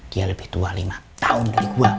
dia lebih tua lima tahun dari gua